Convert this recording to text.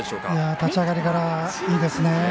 立ち上がりからいいですね。